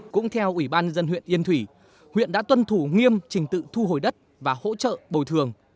cũng theo ủy ban dân huyện yên thủy huyện đã tuân thủ nghiêm trình tự thu hồi đất và hỗ trợ bồi thường